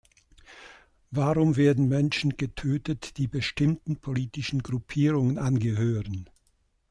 Warum werden Menschen getötet, die bestimmten politischen Gruppierungen angehören?